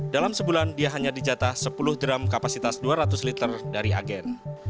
dalam sebulan dia hanya dijatah sepuluh dram kapasitas dua ratus liter dari agen